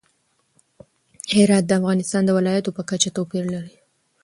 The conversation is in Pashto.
هرات د افغانستان د ولایاتو په کچه توپیر لري.